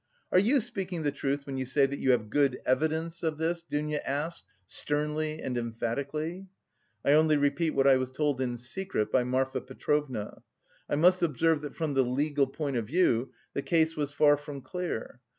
"Are you speaking the truth when you say that you have good evidence of this?" Dounia asked sternly and emphatically. "I only repeat what I was told in secret by Marfa Petrovna. I must observe that from the legal point of view the case was far from clear.